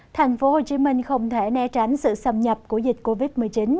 tp hcm không thể né tránh sự xâm nhập của dịch covid một mươi chín